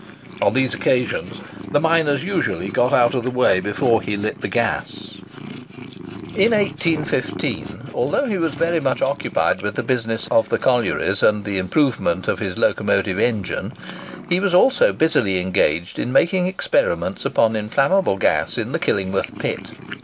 On these occasions the miners usually got out of the way before he lit the gas. In 1815, although he was very much occupied with the business of the collieries and the improvement of his locomotive engine, he was also busily engaged in making experiments upon inflammable gas in the Killingworth pit.